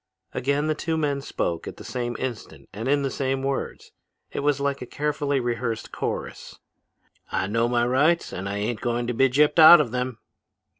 Again the two men spoke at the same instant and in the same words. It was like a carefully rehearsed chorus. 'I know my rights, and I ain't going to be gypped out of them!'